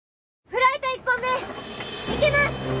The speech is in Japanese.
フライト１本目いきます！